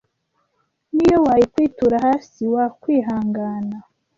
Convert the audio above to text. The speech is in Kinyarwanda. Niyo yayikwitura hasi wakwihangana